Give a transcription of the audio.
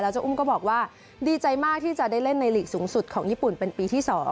เจ้าอุ้มก็บอกว่าดีใจมากที่จะได้เล่นในหลีกสูงสุดของญี่ปุ่นเป็นปีที่๒